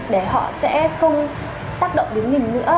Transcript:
để họ sẽ không tác động đến mình nữa